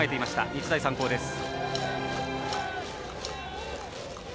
日大三高です。